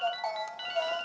nih ini udah gampang